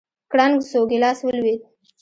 کړنگ سو گيلاس ولوېد.